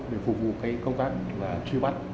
để phục vụ cái công tác truy bắt